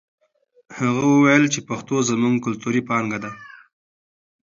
هغه وویل چې پښتو زموږ کلتوري پانګه ده.